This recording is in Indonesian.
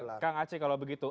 saya ke kang aceh kalau begitu